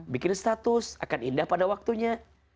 bikin status akan indah pada waktunya